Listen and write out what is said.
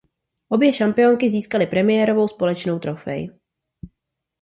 Obě šampionky získaly premiérovou společnou trofej.